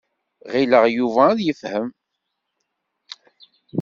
Ɣileɣ Yuba ad yefhem.